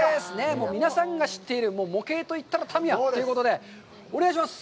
もう皆さんが知っている模型といったらタミヤということで、お願いします。